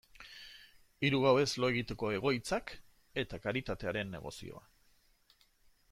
Hiru gauez lo egiteko egoitzak eta karitatearen negozioa.